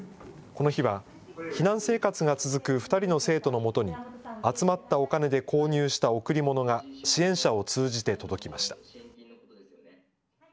この日は避難生活が続く２人の生徒のもとに、集まったお金で購入した贈り物が支援者を通じて届きました。